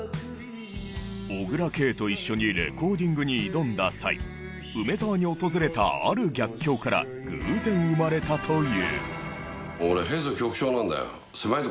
小椋佳と一緒にレコーディングに挑んだ際梅沢に訪れたある逆境から偶然生まれたという。